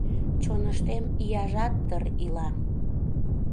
Чоныштем ияжат дыр ила.